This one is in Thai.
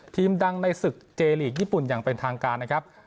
ดังในศึกเจลีกญี่ปุ่นอย่างเป็นทางการนะครับ